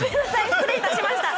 失礼いたしました！